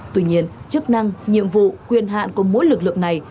tuy nhiên chức năng nhiệm vụ quyền hạn của mỗi lực lượng này